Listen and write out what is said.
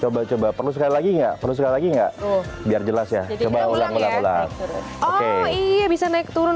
coba coba perlu sekali lagi enggak perlu sekali lagi enggak biar jelas ya coba ulang ulang oke iya bisa naik turun